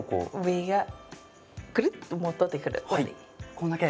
これだけ？